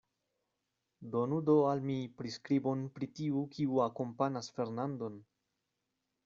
Donu do al mi priskribon pri tiu, kiu akompanas Fernandon.